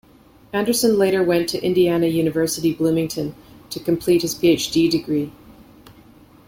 Andersson later went to Indiana University Bloomington to complete his Ph.D. degree.